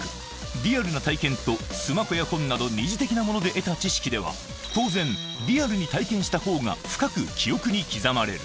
リアルな体験とスマホや本など二次的なもので得た知識では当然リアルに体験した方が深く記憶に刻まれる